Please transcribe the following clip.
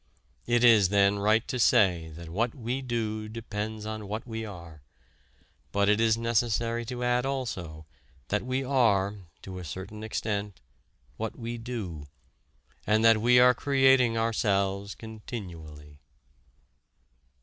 It is then right to say that what we do depends on what we are; but it is necessary to add also, that we are, to a certain extent, what we do, and that we are creating ourselves continually."